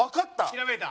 ひらめいた？